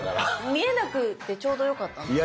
見えなくてちょうどよかったのにね！